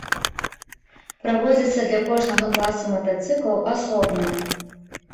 Праводзяцца для кожнага класа матацыклаў асобна.